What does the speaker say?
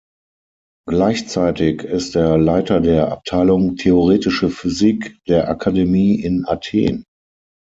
Gleichzeitig ist er Leiter der Abteilung theoretische Physik der Akademie in Athen.